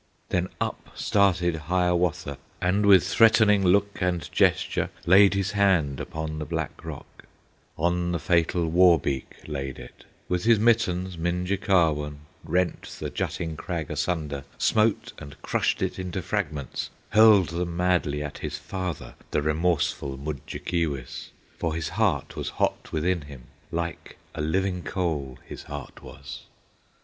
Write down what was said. Then up started Hiawatha, And with threatening look and gesture Laid his hand upon the black rock, On the fatal Wawbeek laid it, With his mittens, Minjekahwun, Rent the jutting crag asunder, Smote and crushed it into fragments, Hurled them madly at his father, The remorseful Mudjekeewis, For his heart was hot within him, Like a living coal his heart was.